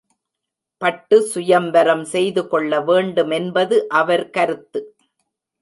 பட்டு சுயம்வரம் செய்துகொள்ள வேண்டுமென்பது அவர் கருத்து.